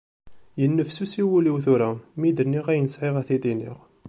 Yennefsusi wul-iw tura mi d-nniɣ ayen sεiɣ ad t-id-iniɣ.